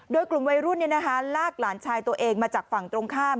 โดยกลุ่มวัยรุ่นลากหลานชายตัวเองมาจากฝั่งตรงข้าม